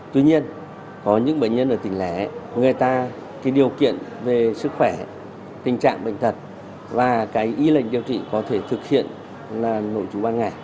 tuy nhiên có những bệnh nhân ở tỉnh lẻ người ta điều kiện về sức khỏe tình trạng bệnh thật và ý lệnh điều trị có thể thực hiện là nội trú ban ngày